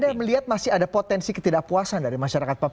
anda melihat masih ada potensi ketidakpuasan dari masyarakat papua